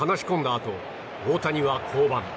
あと大谷は降板。